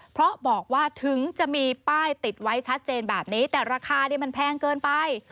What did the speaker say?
เพราะบอกว่าถึงจะมีป้ายติดไว้ชัดเจนแบบนี้แต่ราคามันแพงเกินไป